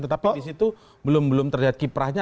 tetapi di situ belum terlihat kiprahnya